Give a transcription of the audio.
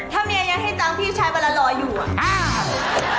ถ้าเมียยังให้ตังค์พี่ชายวันละรออยู่อ่ะ